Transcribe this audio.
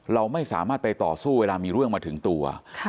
เราไม่สามารถไปต่อสู้เวลามีเรื่องมาถึงตัว